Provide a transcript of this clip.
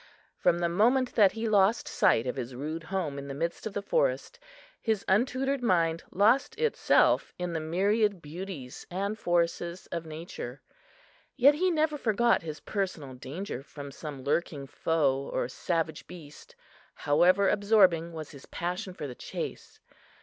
From the moment that he lost sight of his rude home in the midst of the forest, his untutored mind lost itself in the myriad beauties and forces of nature. Yet he never forgot his personal danger from some lurking foe or savage beast, however absorbing was his passion for the chase.